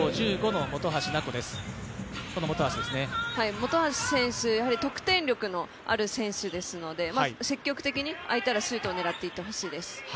本橋選手、得点力のある選手ですので積極的に空いたらシュートを狙っていってほしいです。